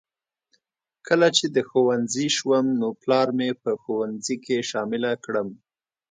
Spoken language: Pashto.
کله چې د ښوونځي شوم نو پلار مې په ښوونځي کې شامله کړم